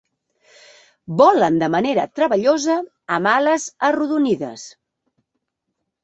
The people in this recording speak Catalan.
Volen de manera treballosa amb ales arrodonides.